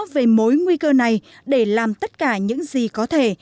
về mối nguy cơ này để làm tất cả những gì có thể